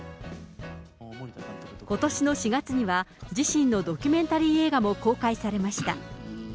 ことしの４月には、自身のドキュメンタリー映画も公開されました。